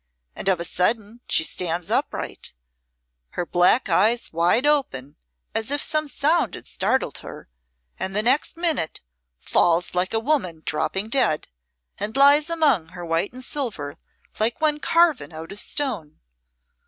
And of a sudden she stands upright, her black eyes wide open as if some sound had startled her, and the next minute falls like a woman dropping dead, and lies among her white and silver like one carven out of stone.